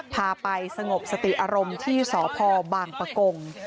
พาไปสงบสติอารมณ์ที่สพบางปะกง